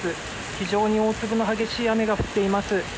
非常に大粒の激しい雨が降っています。